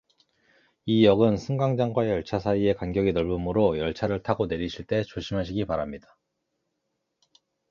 이 역은 승강장과 열차 사이의 간격이 넓으므로 열차를 타고 내리실 때 조심하시기 바랍니다.